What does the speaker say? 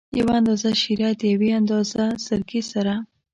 یو اندازه شېره د یوې اندازه سرکې سره.